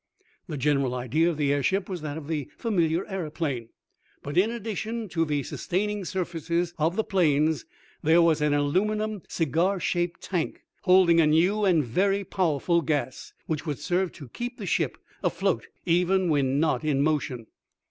The general idea of the airship was that of the familiar aeroplane, but in addition to the sustaining surfaces of the planes, there was an aluminum, cigar shaped tank, holding a new and very powerful gas, which would serve to keep the ship afloat even when not in motion.